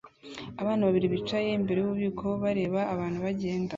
Abana babiri bicaye imbere yububiko bareba abantu bagenda